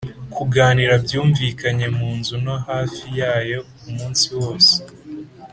kuganira byumvikanye munzu no hafi yayo umunsi wose.